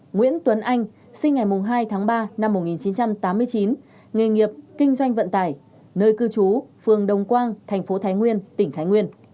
một mươi hai nguyễn tuấn anh sinh ngày hai tháng ba năm một nghìn chín trăm tám mươi chín nghề nghiệp kinh doanh vận tải nơi cư trú phường đông quang thành phố thái nguyên tỉnh thái nguyên